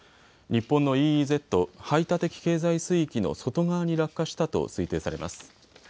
日本のＥＥＺ・排他的経済水域の外側に落下したと推定されます。